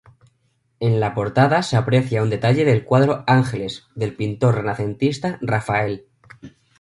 En la portada se aprecia un detalle del cuadro "Ángeles" del pintor renacentista Rafael.